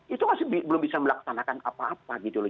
itu masih belum bisa melaksanakan apa apa gitu loh